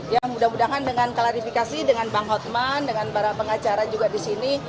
ya mudah mudahan dengan klarifikasi dengan bang hotman dengan para pengacara juga di sini